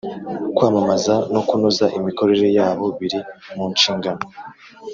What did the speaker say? kwamamaza no kunoza imikorere yabo biri munshingano